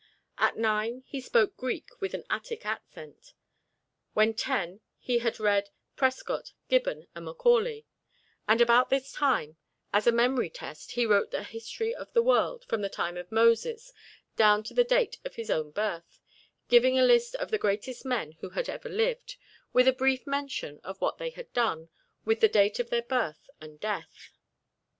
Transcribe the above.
At nine he spoke Greek with an Attic accent. When ten he had read Prescott, Gibbon and Macaulay; and about this time, as a memory test he wrote a history of the world from the time of Moses down to the date of his own birth, giving a list of the greatest men who had ever lived, with a brief mention of what they had done, with the date of their birth and death.